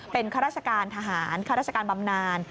เป็นข้าราชการทหารข้าราชการบำนาน